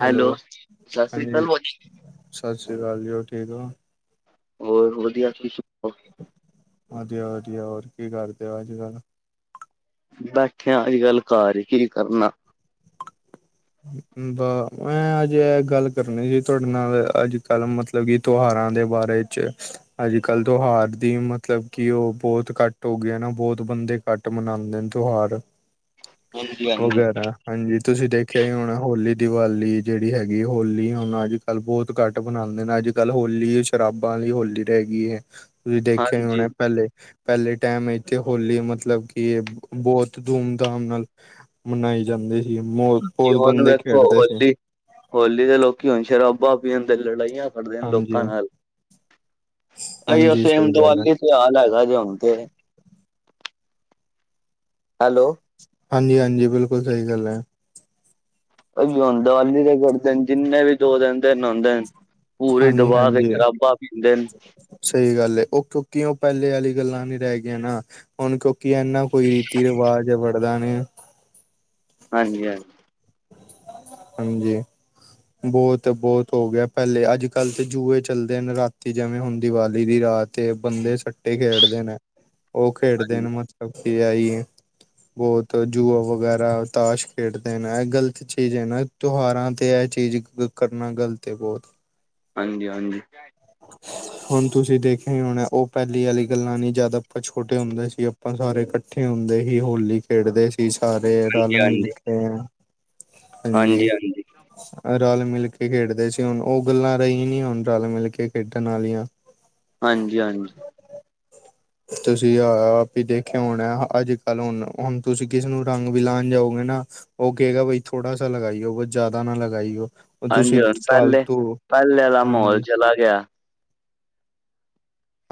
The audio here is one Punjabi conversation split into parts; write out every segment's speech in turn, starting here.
ਹੈਲੋ, ਸਤਿ ਸ੍ਰੀ ਅਕਾਲ ਹਾਂਜੀ, ਭਾਜੀ ਸ਼੍ਰੀ ਅਕਾਲ ਜੀ ਹੋਰ ਠੀਕ ਊ? ਹੋਰ ਵਧੀਆ, ਤੁਸੀਂ ਸਣਾਓ? ਵਧੀਆ- ਵਧੀਆ ਹੋਰ ਕੀ ਕਰਦੇ ਹੋ? ਅੱਜ-ਕੱਲ? ਬੈਠੇ ਆ, ਅੱਜ-ਕੱਲ ਘਾਰ ਈ ਕੀ ਕਰਨਾ ਬ ਮੈਂ ਅੱਜ ਇਹ ਗੱਲ ਕਰਨੀ ਸੀ, ਤੁਹਾਡੇ ਨਾਲ ਅੱਜ-ਕੱਲ ਮਤਲਬ ਕਿ, ਤਿਉਹਾਰਾਂ, ਦੇ ਬਾਰੇ ਚ ਅੱਜ-ਕੱਲ ਤਿਓਹਾਰ ਦੀ ਮਤਲਬ ਕਿ, ਉਹ ਬਹੁਤ ਘੱਟ ਹੋ ਗਏ ਨਾ, ਬਹੁਤ ਬੰਦੇ ਘੱਟ ਮਨਾਉਂਦੇ ਨੇ ਤਿਉਹਾਰ ਹਾਂਜੀ ਹਾਂਜੀ ਵਗੈਰਾ, ਹਾਂਜੀ ਤੁਸੀਂ ਦੇਖ ਦੇਖਿਆ ਹੀ ਹੁਣ ਹੋਲੀ, ਦੀਵਾਲੀ ਜਿਹੜੀ ਹੈਗੀ, ਹੋਲੀ, ਹੁਣ ਅੱਜ-ਕੱਲ੍ਹ ਬਹੁਤ ਘੱਟ ਮਨਾਉਂਦੇ ਨੇ, ਅੱਜ-ਕੱਲ ਹੋਲੀ ਸ਼ਰਾਬਾਂ ਦੀ ਹੋਲੀ ਰਹਿ ਗਈ ਏ, ਤੁਸੀਂ ਦੇਖਿਆ ਹੀ ਹਾਂਜੀ ਹੋਣਾ ਪਹਿਲੇ ਪਹਿਲੇ ਟਾਈਮ, ਇੱਥੇ ਹੋਲੀ ਮਤਲਬ ਕਿ, ਬਹੁਤ ਧੂਮ-ਧਾਮ ਨਾਲ ਮਨਾਈ ਜਾਂਦੀ ਸੀ। ਬਹੁਤ ਜੀ ਹੁਣ ਬੰਦੇ ਵੇਖੋ, ਖੇਡਦੇ ਸੀ ਹੋਲੀ-ਹੋਲੀ ਦੇ ਲੋਕੀ ਹੁਣ ਸ਼ਰਾਬਾ, ਪੀਣ ਤੇ ਲੜਾਈਆਂ ਲੜਦੇ ਨੇ ਹਾਂਜੀ ਲੋਕਾਂ ਨਾਲ ਅਇਓ ਹਾਂਜੀ ਸੇਮ ਸਹੀ ਗੱਲ ਹੈ ਦੀਵਾਲੀ ਤੇ ਹਾਲ ਹੈਗਾ ਜੇ ਹੁਣ ਤੇ ਹੈਲੋ ਹਾਂਜੀ-ਹਾਂਜੀ ਬਿਲਕੁਲ ਸਹੀ ਗੱਲ ਐ ਅ ਉਹ ਦੀਵਾਲੀ ਜਿੰਨੇ ਵੀ ਦੋ ਦਿਨ-ਦਿਨ ਆਉਂਦੇ ਨੇ ਪੂਰੇ ਹਾਂਜੀ ਦਬਾ ਕੇ ਹਾਂਜੀ ਸ਼ਰਾਬਾ ਪੀਂਦੇ ਨੇ ਸਹੀ ਗੱਲ ਏ, ਉਹ ਕਿਉਂਕਿ ਉਹ ਪਹਿਲੇ ਵਾਲੀ ਗੱਲਾਂ, ਨਈ ਰਹਿ ਗਈਆਂ ਨਾ ਹੁਣ ਕਿਉਂਕਿ, ਇਨਾ ਕੋਈ ਰੀਤੀ ਰਿਵਾਜ਼ ਵੜਦਾ ਨੇ ਹਾਂਜੀ -ਹਾਂਜੀ ਹਾਂਜੀ। ਬਹੁਤ -ਬਹੁਤ ਹੋ ਗਿਆ ਪਹਿਲੇ ਅੱਜ -ਕੱਲ੍ਹ ਤੇ ਜੂਏ ਚੱਲਦੇ ਹਨ, ਰਾਤੀ ਜਿਵੇਂ ਹੁਣ ਦੀਵਾਲੀ ਦੀ ਰਾਤ ਤੇ ਬੰਦੇ, ਸੱਟੇ ਖੇਡਦੇ ਨੇ ਉਹ ਖੇਡਦੇ ਹਾਂਜੀ ਨੇ, ਮਤਲਬ ਕੀ ਆਈ ਏ ਬਹੁਤ ਜੁਆ ਵਗੈਰਾ, ਤਾਸ਼ ਖੇਡਦੇ ਨੇ, ਐ ਗਲਤ ਚੀਜ਼ ਹੈ ਨਾ ਤਿਉਹਾਰਾਂ ਤੇ, ਇਹ ਚੀਜ਼ ਕਰਨਾ ਗਲਤ ਹੈ ਬਹੁਤ ਹਾਂਜੀ-ਹਾਂਜੀ। ਹੁਣ ਤੁਸੀਂ ਦੇਖਿਆ ਹੀ ਹੋਣਾ, ਉਹ ਪਹਿਲੀ ਆਲੀ ਗੱਲਾਂ ਨੀ ਜਿਆਦਾ, ਆਪਾਂ ਛੋਟੇ ਹੁੰਦੇ ਸੀ, ਆਪਾ ਆਪਾਂ ਸਾਰੇ ਇਕੱਠੇ ਹੁੰਦੇ ਸੀ, ਹੋਲੀ ਖੇਡਦੇ ਸੀ ਸਾਰੇ ਰਲ ਹਾਂਜੀ ਮਿਲ ਹਾਂਜੀ ਕੇ ਹਾਂਜੀ। ਰਲ ਮਿਲ ਕੇ ਖੇਡਦੇ ਸੀ। ਹੁਣ ਉਹ ਗੱਲਾਂ ਰਹੀਆ ਨੀ ਹੁਣ ਰਲ ਮਿਲ ਕੇ ਖੇਡਣ ਆਲੀਆਂ ਹਾਂਜੀ ਹਾਂਜੀ। ਤੁਸੀਂ ਆ ਆਪ ਦੇਖਿਆ ਹੋਣੈ ਅੱਜ ਕੱਲ ਹੁਣ ਹੁਣ ਤੁਸੀਂ ਕਿਸੇ ਨੂੰ ਰੰਗ ਵੀ ਲਾਣ ਵੀ ਜਾਓਗੇ ਨਾ, ਉਹ ਕਹੇਗਾ ਬਈ ਥੋੜਾ ਸਾ ਲਗਾਈਓ, ਬਸ ਜਾਦਾ ਨਾ ਲਗਾਈਓ। ਹੁਣ ਤੁਸੀਂ ਹਾਂਜੀ ਹੁਣ ਪਹਿਲੇ ਫਾਲਤੂ ਪਹਿਲੇ ਆਲਾ ਮਾਹੌਲ ਹਾਂਜੀ। ਚਲਾ ਗਿਆ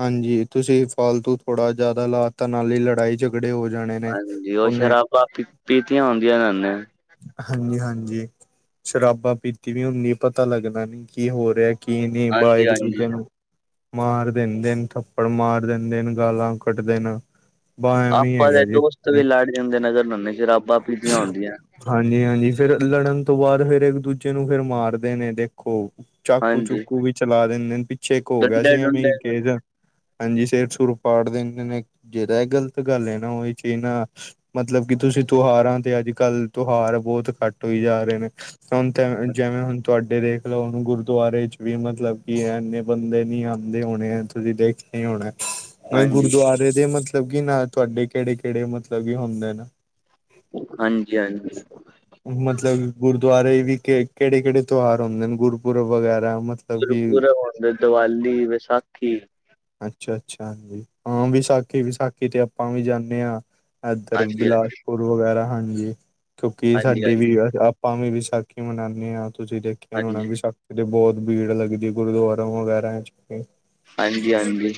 ਹਾਂਜੀ ਤੁਸੀਂ ਫਾਲਤੂ ਥੋੜਾ ਜਾਦਾ ਲਾਤਾ ਨਾਲੇ ਈ ਲੜਾਈ ਚ ਝਗੜੇ ਹੋ ਜਾਣੇ। ਨੇ ਹਾਂਜੀ ਉਹ ਉਹਨੇ ਸ਼ਰਾਬਾਂ ਪੀ ਪੀਤੀਆਂ ਹੁੰਦੀਆਂ ਨੇ ਹਾਂਜੀ ਹਾਂਜੀ, ਸ਼ਰਾਬਾਂ ਪੀਤੀ ਦੀ ਹੁੰਦੀ ਪਤਾ ਲੱਗਣਾ ਨੀ ਕੀ ਹੋ ਰਿਹੈ ਕੀ ਨੀ ਬਾ ਹਾਂਜੀ ਇੱਕ ਹਾਂਜੀ। ਦੂਜੇ ਨੂੰ ਮਾਰ ਦਿੰਦੇ ਨੇ ਥੱਪੜ ਮਾਰ ਦਿੰਦੇ ਨ ਗਾਲਾਂ ਕੱਢਦੇ ਨ ਆਪਾਂ ਦੇ ਦੋਸਤ ਵੀ ਲੜ ਜਾਂਦੇ ਨ ਅਗਰ ਨੰਨੇ ਸ਼ਰਾਬਾਂ ਪੀਤੀਆ ਹੁੰਦੀਐ ਹਾਂਜੀ ਹਾਂਜੀ, ਫੇਰ ਲੜਨ ਤੋਂ ਬਾਦ ਫੇਰ ਇੱਕ ਦੂਜੇ ਨੂੰ ਫੇਰ ਮਾਰਦੇ ਨੇ ਘੋ ਚਾਕੂ ਹਾਂਜੀ। ਚੁਕੂ ਵੀ ਚਲਾ ਦਿੰਦੇ ਨੇ ਪਿੱਛੇ ਇਕ ਹੋ ਗਿਆ ਡੰਡੇ ਸੀ ਡੁੰਡੇ ਐਵੇਂ ਕੇ ਦ ਹਾਂਜੀ ਸੇਰ ਸੁਰ ਪਾੜ ਦਿੰਦੇ ਨੇ, ਜਿਹੜਾ ਇਹ ਗਲਤ ਗੱਲ ਏ ਨਾ ਉਹੀ ਚੀ ਨਾ। ਮਤਲਬ ਕਿ ਤੁਸੀਂ ਤੂਹਾਰਾਂ ਤੇ ਅੱਜ ਕੱਲ੍ਹ ਤੂਹਾਰ ਬਹੁਤ ਘੱਟ ਹੋਈ ਜਾ ਰੇ ਨੇ ਸਨ ਤੇ ਐਂ ਜੈਵੇਂ ਹੁਣ ਤੁਹਾਡੇ ਬੰਦੇ ਦੇਖ ਲੋ ਹੁਣ ਗੁਰਦੁਆਰੇ ਚ ਵੀ ਮਤਲਬ ਕੀ ਐਂਨੇ ਬੰਦੇ ਨੀ ਆਂਦੇ ਹੋਣੇ ਐ, ਤੁਸੀਂ ਦੇਖ ਨੀ ਹੋਣਾ, ਮੈ ਹਾਂਜੀ ਗੁਰਦੁਆਰੇ ਦੇ ਮਤਲਬ ਕੀ ਨਾ ਤੁਹਾਡੇ ਕਿਹੜੇ ਕਿਹੜੇ ਮਤਲਬ ਕੀ ਹੁੰਦੇ ਨ ਹਾਂਜੀ ਹਾਂਜੀ। [inaudible] ਮਤਲਬ ਗੁਰਦੁਆਰੇ ਵੀ ਕਿਹੜੇ ਕਿਹੜੇ ਤੂਹਾਰ ਹੁੰਦੇ ਨ, ਗੁਰਪੁਰਬ ਵਗੈਰਾ ਮ ਗੁਰਪੁਰਬ ਆਉਦੇ, ਦਵਾਲੀ, ਵਸਾਖੀ। ਅੱਛਾ ਅੱਛਾ ਹਾਂਜੀ, ਹਾਂ ਵਿਸਾਖੀ ਵਿਸਾਖੀ ਤੇ ਆਪਾਂ ਵੀ ਜਾਂਣੇ ਆਂ ਇਧਰ ਹਾਂਜੀ ਹਾਂਜੀ ਬਿਲਾਸਪੁਰ ਵਗੈਰਾ ਹਾਂਜੀ, ਕਿਉਂਕਿ ਹਾਂਜੀ ਸਾਡੇ ਹਾਂਜੀ ਵੀ ਅ ਆਪਾਂ ਵੀ ਵਿਸਾਖੀ ਮਨਾਣੇ ਆ, ਤੁਸੀਂ ਦੇਖਿਆ ਹੋਣੈ ਹਾਂਜੀ ਵਿਸਾਖੀ ਕਿਤੇ ਬਹੁਤ ਭੀੜ ਲੱਗਦੀ ਗੁਰਦੁਆਰਾ ਵਗੈਰਾ ਚ ਹਾਂਜੀ ਹਾਂਜੀ ਹਾਂਜੀ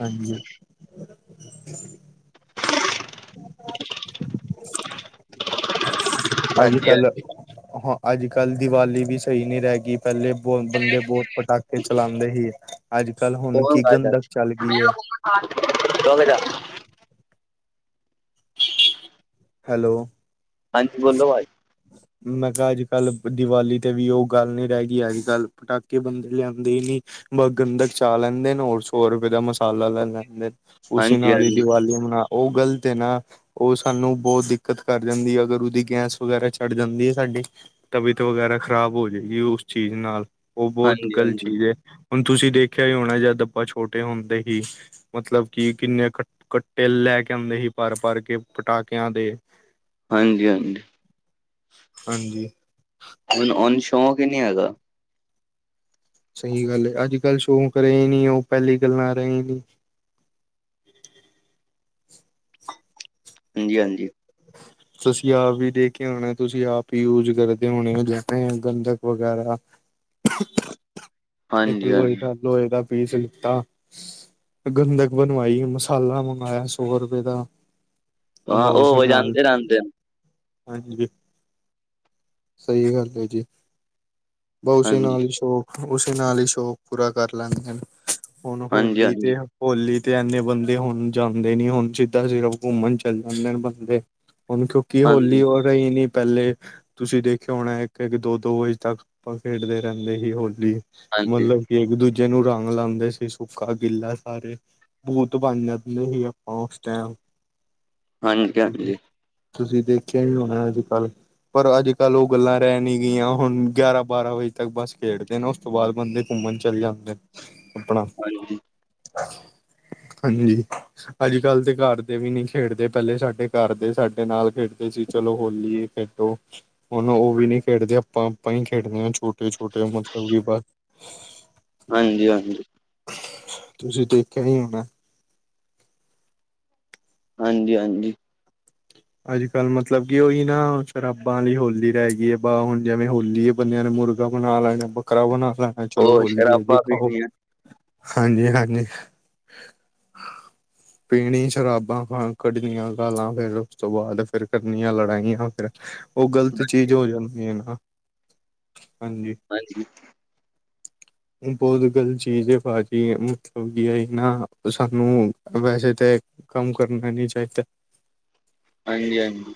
ਹਾਂਜੀ। ਅੱਜ ਹਾਂਜੀ -ਕੱਲ। ਹਾਂ, ਅੱਜ ਕੱਲ ਦੀਵਾਲੀ ਵੀ ਸਈ ਨੀ ਰਹਿ ਗੀ। ਪੈਲੇ ਬਹੁ ਬੰਦੇ ਬਹੁਤ ਪਟਾਕੇ ਚਲਾਦੇ ਸੀ। ਅੱਜ ਕੱਲ ਹੁਣ ਕੀ ਗੰਧਕ ਚੱਲ ਗੀ ਐ। ਰੋਕ ਜਾ। ਹੈਲੋ। ਹਾਂਜੀ ਬੋਲੋ ਭਾਜੀ ਮੈਂ ਕਿਹਾ ਅੱਜ ਕੱਲ ਦੀਵਾਲੀ ਤੇ ਵੀ ਉਹ ਗੱਲ ਨੀ ਰਹਿ ਗੀ ਅੱਜ ਕੱਲ੍ਹ ਪਟਾਕੇ ਬੰਦੇ ਲਿਆਂਦੇ ਹੀ ਨੀ। ਬਸ ਗੰਧਕ ਚਾ ਲੈਂਦੇ ਨੇ ਹੋਰ ਸੌ ਰੁਪਏ ਦਾ ਮਸਾਲਾ ਲੈ ਲੈਂਦੇ ਨੇ। ਉਸੀ ਨਾਲ ਈ ਦੀਵਾਲੀ ਮਨਾ ਉਹ ਗ਼ਲਤ ਏ ਨਾ, ਉਹ ਸਾਨੂੰ ਬਹੁਤ ਦਿੱਕਤ ਕਰ ਜਾਂਦੀ ਏ ਅਗਰ ਉਹਦੀ ਗੈਸ ਵਗ਼ੈਰਾ ਚੜ ਜਾਂਦੀ ਐ ਸਾਡੀ ਤਬੀਅਤ ਖ਼ਰਾਬ ਹੋਜੇਗੀ ਉਸ ਚੀਜ਼ ਨਾਲ। ਉਹ ਬੋਤ ਹਾਂਜੀ ਗ਼ਲਤ ਚੀਜ਼ ਏ ਹੁਣ ਤੁਸੀਂ ਦੇਖਿਆ ਹੀ ਹੋਣੈ ਜਦ ਆਪਾਂ ਛੋਟੇ ਹੁੰਦੇ ਸੀ ਮਤਲਬ ਕਿ ਕਿੰਨੇ ਕ ਕੱਟੇ ਲੈ ਕੇ ਆਂਦੇ ਸੀ ਭਰ ਭਰ ਕੇ ਪਟਾਕਿਆਂ ਦੇ। ਹਾਂਜੀ- ਹਾਂਜੀ। ਹਾਂਜੀ। ਉਨੂੰ ਅ ਉਨ ਸ਼ੌਕ ਈ ਨੀ ਹੈਗਾ। ਸਈ ਗੱਲ ਏ ਅੱਜ ਕੱਲ੍ਹ ਸ਼ੌਂਕ ਰਹੇ ਨੀ ਉਹ ਪੈਲੀ ਗੱਲਾਂ ਰਈ ਨੀ। ਹਾਂਜੀ-ਹਾਂਜੀ। ਤੁਸੀਂ ਆਪ ਵੀ ਦੇਖਿਆ ਹੋਣਾ ਤੁਸੀਂ ਆਪ ਈ ਯੂਜ ਕਰਦੇ ਹੋਣੇ ਓ ਜਿਵੇ ਗੰਧਕ ਵਗੈਰਾ ਇੱਕ ਹਾਂਜੀ ਲੋਏ ਹਾਂਜੀ ਦਾ ਗਲੋਏ ਕਾ ਪੀਸ ਲਿੱਤਾ ਗੰਦਕ ਬਣਵਾਈ ਮਸਾਲਾ ਮੰਗਾਯਾ ਸੋ ਰਪੇ ਦਾ। ਹਾਂ ਬਉਸੀ ਓ ਨਾਲ ਜਾਂਦੇ ਰੈੰਦੇ ਨ। ਹਾਂਜੀ ਬੀ, ਸਈ ਗੱਲ ਏ ਜੀ। ਬ ਉਸੀ ਹਾਂਜੀ ਨਾਲ ਈ ਸ਼ੌਕ ਉਸੀ ਨਾਲ ਈ ਸ਼ੌਕ ਪੂਰਾ ਕਰ ਲੈਂਦੇ ਨੇ। ਹੁਣ ਹਾਂਜੀ ਹੋਲੀ ਹਾਂਜੀ ਤੇ ਹੋਲੀ ਤੇ ਇਨੇ ਬੰਦੇ ਹੁਣ ਜਾਂਦੇ ਨੀ। ਹੁਣ ਸਿੱਧਾ ਸਿਰਫ ਕੁੰਮਣ ਚਲੇ ਜਾਂਦੇ ਨੇ ਬੰਦੇ। ਹੁਣ ਥੁਂਕਿ ਹਾਂਜੀ, ਹੋਲੀ ਓ ਰਈ ਨੀ ਪੈਲੇ ਤੁਸੀਂ ਦੇਖਿਆ ਹੋਣਾ ਇੱਕ-ਇੱਕ, ਦੋ-ਦੋ ਵਜੇ ਤੱਕ ਆਪਾਂ ਖੇਡਦੇ ਰੈੰਦੇ ਹੀ ਹੋਲੀ ਹਾਂਜੀ, ਮਤਲਬ ਕਿ ਏਕ-ਦੂਜੇ ਨੂੰ ਰੰਗ ਲਾਂਦੇ ਸੀ ਸੁੱਕਾ ਗਿੱਲਾ ਸਾਰੇ ਭੂਤ ਬਣ ਜਾਂਦੇ ਸੀ ਆਪਾਂ ਉਸ ਟੈਮ ਹਾਂਜੀ-ਹਾਂਜੀ। ਤੁਸੀਂ ਦੇਖਿਆ ਈ ਹੋਣਾ ਅੱਜ-ਕੱਲ ਪਰ ਅੱਜ-ਕੱਲ ਓ ਗੱਲਾਂ ਰੈ ਨੀ ਗਈਆਂ ਹੁਣ ਗਿਆਰਾਂ- ਬਾਰਾਂ ਵਜੇ ਤੱਕ ਬਸ ਖੇਡਦੇ ਨੇ ਓਸ ਤੋਂ ਬਾਅਦ ਬੰਦੇ ਕੁੰਮਣ ਚਲੇ ਜਾਂਦੇ ਨੇ ਆਪਣਾ ਹਾਂਜੀ। [unintelligible] ਹਾਂਜੀ ਅੱਜ-ਕੱਲ ਤੇ ਕੱਰ ਦੇ ਵੀ ਨੀ ਖੇਡਦੇ ਪੈਲੇ ਸਾਡੇ ਘਰ ਦੇ ਸਾਡੇ ਸਾਡੇ ਨਾਲ ਖੇਡਦੇ ਸੀ। ਚਲੋ ਹੋਲੀ ਏ ਖੇਡੋ। ਹੁਣ ਓ ਵੀ ਨੀ ਖੇਡਦੇ ਆਪਾਂ-ਆਪਾਂ ਈ ਖੇਡਦੇ ਆ ਛੋਟੇ-ਛੋਟੇ ਮਤਲਬ ਕਿ ਬਸ ਹਾਂਜੀ-ਹਾਂਜੀ। ਤੁਸੀਂ ਦੇਖੇਆ ਈ ਹੋਣਾ ਹਾਂਜੀ-ਹਾਂਜੀ। ਅੱਜ-ਕੱਲ ਮਤਲਬ ਕਿ ਓਈ ਨਾ ਸ਼ਰਾਬਾਂ ਲਈ ਹੋਲੀ ਰੈ ਗਈ ਵੇ ਹੁਣ ਜੈਵੇਂ ਹੋਲੀ ਬੰਦਿਆ ਨੇ ਮੁਰਗਾ ਬਣਾ ਲੈਣਾ, ਬੱਕਰਾ ਬਣਾ ਲੈਣਾ ਚਲੋ ਉਹ ਹੋਲੀ ਐ ਜੀ ਸ਼ਰਾਬਾਂ ਖਾਓ। ਪੀਣੀਆਂ ਹਾਂਜੀ-ਹਾਂਜੀ। ਪੀਣੀ ਸ਼ਰਾਬਾਂ ਪਾਂ ਕੱਢਣੀਆਂ ਗਾਲਾਂ ਫੇਰ ਉਸ ਤੋਂ ਬਾਅਦ ਫਿਰ ਕਰਨੀਆਂ ਲੜਾਈਆਂ ਫਿਰ ਓ ਗ਼ਲਤ ਚੀਜ਼ ਹੋ ਜਾਂਦੀ ਏ ਨਾ। ਹਾਂਜੀ। ਹਾਂਜੀ। [inaudible] ਬੋਤ ਗਲਤ ਚੀਜ਼ ਏ ਪਾਜੀ ਮਤਲਬ ਕੀ ਏਨਾ ਨਾ ਸਾਨੂੰ ਵੈਸੇ ਤੇ ਕੰਮ ਕਰਨਾ ਨੀ ਚਾਇਦਾ। ਹਾਂਜੀ-ਹਾਂਜੀ।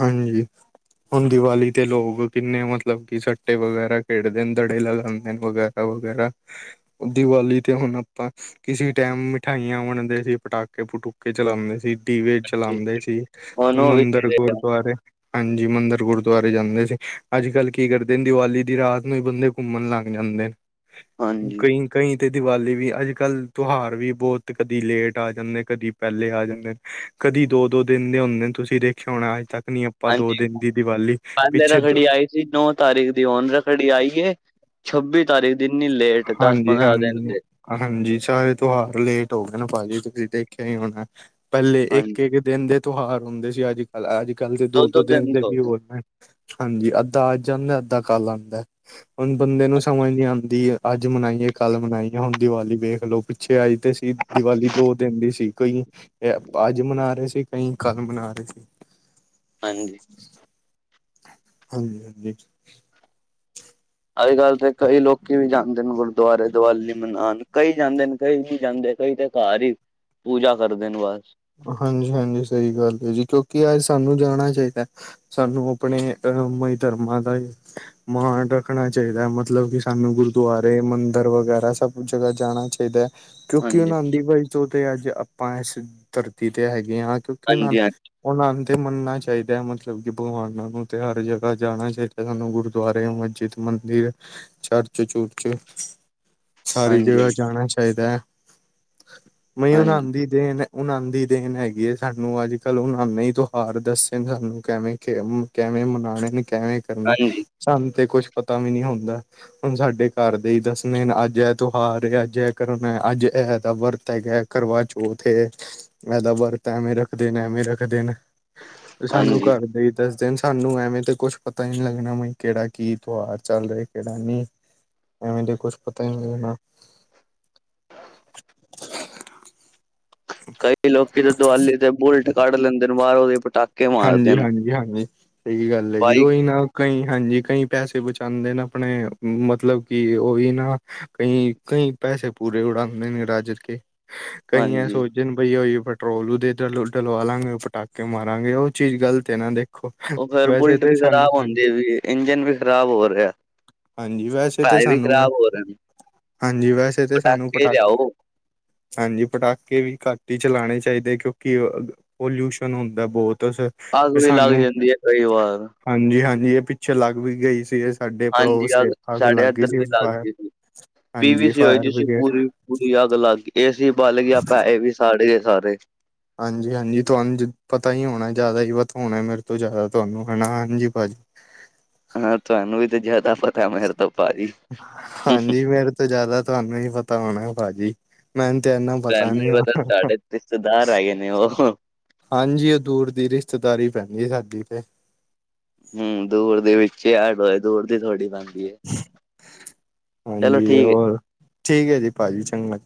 ਹਾਂਜੀ। ਹੁਣ ਦੀਵਾਲੀ ਤੇ ਲੋਗ ਕਿੰਨੇ ਮਤਲਬ ਕਿ ਸੱਟੇ ਵਗੈਰਾ ਖੇਡਦੇ ਨੇ ਦੜੇ ਲਗਾਂਦੇ ਨੇ ਵਗੈ ਰਾ-ਵਗੈਰਾ ਦੀਵਾਲੀ ਤੇ ਹੁਣ ਆਪਾਂ ਕਿਸੀ ਟੈਮ ਮਿਠਾਈਆਂ ਵੰਡਦੇ ਸੀ, ਪਟਾਕੇ-ਪਟੂਕੇ ਚਲਾਂਦੇ ਸੀ। ਦੀਵੇ ਜੀ। ਚਲਾਂਦੇ ਸੀ ਹੁਣ ਉਹ ਵੀ ਨੀ ਮੰਦਿਰ, ਰਹੇ। ਗੁਰਦੁਆਰੇ ਹਾਂਜੀ ਮੰਦਿਰ ਗੁਰਦੁਆਰੇ ਜਾਂਦੇ ਸੀ। ਅੱਜ-ਕੱਲ ਕੀ ਕਰਦੇ ਨੇ ਦੀਵਾਲੀ ਦੀ ਰਾਤ ਨੂੰ ਈ ਬੰਦੇ ਕੁੰਮਣ ਲੱਗ ਜਾਂਦੇ ਨੇ। ਹਾਂਜੀ, ਕਈ ਕਈ ਤੇ ਦੀਵਾਲੀ ਵੀ ਅੱਜ-ਕੱਲ ਤੋਹਾਰ ਵੀ ਬੋਤ ਕਦੀ ਲੇਟ ਆ ਜਾਂਦੇ ਕਦੀ ਪੈਲੇ ਆ ਜਾਂਦੇ ਨੇ। ਕਦੀ ਦੋ-ਦੋ ਦਿਨ ਦੇ ਹੁੰਦੇ ਨੇ, ਤੁਸੀਂ ਦੇਖਿਆ ਹੋਣਾ ਅੱਜ ਤੱਕ ਨੀ ਆਪਾਂ ਦੋ ਹਾਂਜੀ ਦਿਨ ਦੀ ਗੱਲ ਏ ਪਹਿਲੇ ਪਿੱਛੇ ਦ ਰੱਖੜੀ ਆਈ ਨੌ ਤਾਰੀਖ ਦੀ ਓੰਜੇ ਖੜੀ ਆਈਏ? ਛੱਬੀ ਤਾਰੀਕ ਦੀ ਇੰਨੀ ਲੇਟ ਦਸ ਹਾਂਜੀ ਪੰਦਰਾਂ ਦਿਨ ਹਾਂਜੀ ਲੇਂ ਹਾਂਜੀ, ਸਾਰੇ ਤਿਉਹਾਰ ਲੇਟ ਹੋ ਗਏ ਨੇ ਭਾਜੀ ਤੁਸੀਂ ਦੇਖਿਆ ਹੀ ਹੁਣ ਐ ਪਹਿਲੇ ਹਾਂਜੀ ਇੱਕ-ਇੱਕ ਦਿਨ ਦੇ ਤਿਉਹਾਰ ਹੁੰਦੇ ਸੀ ਅੱਜ-ਕੱਲ, ਅੱਜ-ਕੱਲ ਦੇ -ਦੋ-ਦੋ ਦਿਨ ਦੇ ਵੀ ਹੋ ਨੇ। ਹਾਂਜੀ, ਅੱਧਾ ਅੱਜ ਜਾਂਂਦਾ, ਅੱਧਾ ਕੱਲ ਆਂਦਾ ਹੁਣ ਬੰਦੇ ਨੂੰ ਸਮਝ ਨੀ ਆਂਦੀ ਐ ਅੱਜ ਮਨਾਈਏ, ਕੱਲ ਮਨਾਈਏ ਹੁਨ ਦੀਵਾਲੀ ਵੇਖ ਲਓ ਪਿੱਛੇ ਅੱਜ ਤੇ ਸੀ ਦੀਵਾਲੀ ਦੋ ਦਿਨ ਦੀ ਸੀ ਕਈ ਅੱਜ ਮਨਾ ਰਹੇ ਸੀ ਕਈ। ਕੱਲ ਮਨਾ ਰਹੇ ਸੀ। ਹਾਂਜੀ। ਹਾਂਜੀ-ਹਾਂਜੀ। ਅੱਜ-ਕੱਲ ਤੇ ਕਈ ਲੋਕੀ ਵੀ ਜਾਂਦੇ ਨੇ ਬ ਦੁਆਰੇ ਦੀਵਾਲੀ ਮਨਾਨ ਕਈ ਜਾਂਦੇ ਨੇ, ਕਈ ਨੀ ਜਾਂਦੇ ਕਈ ਤਾਂ ਘਰ ਈ ਪੂਜਾ ਕਰਦੇ ਨੇ ਬਸ ਹਾਂਜੀ-ਹਾਂਜੀ ਸਹੀ ਗੱਲ ਹੈ ਜੀ, ਕਿਉਂਕਿ ਅੱਜ ਸਾਨੂੰ ਜਾਣਾ ਚਾਹੀਦਾ। ਸਾਨੂੰ ਅਪਨੇ ਅ ਮ ਧਰਮਾਂ ਦਾ ਏ- ਮਾਣ ਰੱਖਣਾ ਚਾਹੀਦਾ ਮਤਲਬ ਕਿ ਸਾਨੂੰ ਗੁਰੂਦੁਆਰੇ, ਮੰਦਿਰ, ਵਗੈਰਾ ਸਭ ਜਗ੍ਹਾ ਜਾਨਾ ਚਾਈਦਾ ਐ। ਕਿਉਂਕਿ ਹਾਂਜੀ, ਉਹਨਾ ਦੀ ਵਜ ਤੋਂ ਤੇ ਅੱਜ ਆਪਾਂ ਇਸ ਧਰਤੀ ਤੇ ਹੈਗੇ ਆ। ਕਿਉਂਕਿ ਉਹਨਾਂ ਹਾਂਜੀ, ਹਾਂਜੀ, ਹਾਂਜੀ, ਨੂੰ ਓਨਾ ਨੂੰ ਤੇ ਮੰਨਨਾ ਚਾਹੀਦਾ ਹੈ, ਮਤਲਬ ਕਿ ਭਗਵਾਨਾਂ ਨੂੰ ਤੇ ਹਰ ਜਗ੍ਹਾ ਜਾਨਾ ਚਾਹੀਦਾ ਸਾਨੂੰ ਗੁਰਦੁਆਰੇ, ਮਸਜਿਦ ਮੰਦਿਰ, ਚਰਚ-ਚੁਰਚ ਸਾਰੀ ਜਗ੍ਹਾ ਹਾਂਜੀ। ਜਾਣਾ ਚਾਹੀਦਾ ਹੈ, ਮ ਹਾਂਜੀ ਓਨਾਂਨ ਦੀ ਦੇਨ ਐ ਉਨਾਂਨ ਦੀ ਦੇਨ ਹੈਗੀ ਏ ਸਾਨੂੰ ਅੱਜ-ਕੱਲ ਉਨਾਂ ਨੇ ਤਿਉਹਾਰ ਦੱਸੇ ਸਾਨੂੰ ਕੇਵੇਂ ਕਿਵੇਂ- ਕੈਵੇਂ ਮਨਾਉਣੇ ਨੇ ਕੈਵੇਂ ਕਰਨੇ ਹਾਂਜੀ ਸਾਨੂੰ ਤੇ ਕੁੱਛ ਪਤਾ ਵੀ ਨੀ ਹੁੰਦਾ। ਹੁਣ ਸਾਡੇ ਘਰ ਦੇ ਹੀ ਦੱਸਣੇ ਹਨ, ਅੱਜ ਇਹ ਤਿਉਹਾਰ ਹੈ ਅੱਜ ਇਹ ਕਰਮ ਹੈ, ਅੱਜ ਏਹ ਦਾ ਵਰਤ ਹੈਗਾ। ਕਰਵਾਚੋਥ ਏ। ਇਹਦਾ ਵਰਤ ਐਵੇਂ ਰੱਖਦੇ ਨੇ, ਐਵੇਂ ਰੱਖਦੇ ਨੇ, ਤੇ ਸਾਨੂੰ ਹਾਂਜੀ ਘਰ ਦੇ ਦੱਸਦੇ ਸਾਨੂੰ ਐਵੇਂ ਤੇ ਕੁਛ ਪਤਾ ਹੀ ਨਹੀਂ ਲੱਗਣਾ ਬ ਕੇੜਾ ਕੀ ਤਿਉਹਾਰ ਚੱਲ ਰਿਹਾ ਕੇੜਾ ਨੀ। ਐਵੇ ਤੇ ਕੁਛ ਪਤਾ ਨੀ ਲਗਣਾ। ਕਈ ਲੋਕੀ ਦੇ ਦੁਵਾਲੀ ਤੇ ਬੁਲਟ ਕੱਢ ਲੈਂਦੇ ਨੇ ਬਾਰ ਉਹਦੇ ਪਟਾ ਹਾਂਜੀ-ਹਾਂਜੀ- ਹਾਂਜੀ ਸਹੀ ਗੱਲ ਏ ਜੀ ਬਾਈਕ ਓਹੀ ਨਾ ਕਈ ਹਾਂਜੀ, ਕਈ ਪੈਸੇ ਬਚਾਉਂਦੇ ਨੇ ਆਪਣੇ ਮਤਲਬ ਕਿ ਓਹੀ ਨਾ ਕਈ, ਕਈ ਪੈਸੇ ਪੂਰੇ ਉਡਾਨਦੇ ਨੇ ਰਾਜ ਕੇ ਕਈਆਂ ਹਾਂਜੀ ਸੋਚਣ ਬਈ ਉਹੀ ਪੈਟਰੋਲ ਦੇ ਡਲਵਾ ਲਾਂਗੇ ਪਟਾਕੇ ਮਾਰਾਂਗੇ ਓਹ ਚੀਜ਼ ਗਲਤ ਏ ਨਾ ਦੇ ਓਦਰ ਬੁਲਟ ਵੀ ਖ਼ਰਾਬ ਹੁੰਦੀ ਪਈ ਏ, ਇੰਜਨ ਵੀ ਖ਼ਰਾਬ ਹੋ ਰਿਆ। ਹਾਂਜੀ, ਵੈਸੇ ਤੇ ਸਾਨੂੰ, ਰਹੇ ਨੇ ਹਾਂਜੀ ਵੈਸੇ ਤੇ ਸਾਨੂੰ ਪਟਾਕੇ। ਹਾਂਜੀ, ਪਟਾਕੇ ਵੀ ਘੱਟ ਹੀ ਚਲਾਨੇ ਚਾਹੀਦੇ ਕਿਉਂਕਿ ਪੋਲਿਊਸ਼ਨ ਹੁੰਦਾ ਬਹੁਤ ਫੇਰ ਅੱਗ ਵੀ ਲੱਗ ਜਾਂਦੀ ਏ ਕਈ ਵਾਰ। ਹਾਂਜੀ-ਹਾਂਜੀ ਇਹ ਪਿੱਛੇ ਲੱਗ ਵੀ ਗਈ ਸੀ ਇਹ ਸਾਡੇ ਹਾਂਜੀ, ਪੜੋਸ ਅਹ ਅੱਗ ਸਾਢੇ ਲੱਗ ਗਈ ਅੱਧਰ ਸੀ ਵੀ ਲੱਗ ਫਾਇਰ ਗਈ ਸੀ, ਪੀ ਹਾਂਜੀ, ਵੀ ਸੀ ਫਾਇਰ ਹੋਈ ਸੀ ਬ੍ਰਿਗੇਡ ਪੂਰੀ ਪੂਰੀ ਅੱਗ ਲੱਗ ਗਈ ਏ ਸੀ ਬਲ ਗਿਆ ਪੈਸੇ ਵੀ ਸਾੜ ਗਏ ਸਾਰੇ। ਹਾਂਜੀ-ਹਾਂਜੀ ਤੁਹਾਨੂੰ ਪਤਾ ਹੀ ਹੋਣਾ ਜ਼ਿਆਦਾ ਹੀ ਪਤਾ ਹੋਣਾ ਮੇਰੇ ਤੋਂ ਜ਼ਿਆਦਾ ਤੁਹਾਨੂੰ ਹਨਾ ਹਾਂਜੀ ਭਾਜੀ ਹਾਂ ਤੁਹਾਨੂੰ ਵੀ ਤੇ ਜਾਦਾ ਪਤਾ ਮੇਰੇ ਤੋ ਭਾਜੀ। ਹਾਂਜੀ, ਮੇਰੇ ਤੋਂ ਜਾਦਾ ਤੁਹਾਨੂੰ ਹੀ ਪਤਾ ਹੋਣਾ ਭਾਜੀ। ਮੈਨੂੰ ਤੇ ਇੰਨਾ ਪਤਾ ਤੁਹਾਨੂੰ ਨੀ ਵੀ ਹ [inaudible] ਤੁਹਾਡੇ ਰਿਸ਼ਤੇਦਾਰ ਹੈਗੇ ਨੇ ਉਹ ਹਾਂਜੀ ਔ ਦੂਰ ਦੀ ਰਿਸ਼ਤੇਦਾਰੀ ਪੈਂਦੀ ਸਾਡੀ ਤੇ। ਹੂੰ ਦੂਰ ਦੇ ਵਿਚੇ [unintelligible] ਹੋਏ ਦੂਰ ਦੀ ਥੋੜ੍ਹੀ ਪੇਂਦੀ ਏ ਚਲੋ ਹਾਂਜੀ, ਠੀਕ ਐ। ਹੋਰ ਠੀਕ ਐ ਜੀ ਭਾਜੀ ਚੰਗਾ।